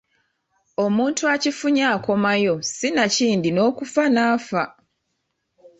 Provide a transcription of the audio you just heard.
Omuntu akifunye akomayo sinakindi n’okufa n’afa!